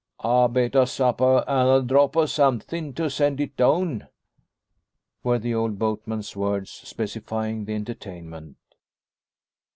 "A bit o' supper and a drop o' somethin' to send it down," were the old boatman's words specifying the entertainment.